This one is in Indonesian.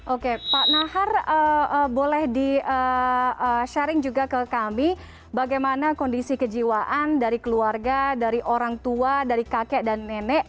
oke pak nahar boleh di sharing juga ke kami bagaimana kondisi kejiwaan dari keluarga dari orang tua dari kakek dan nenek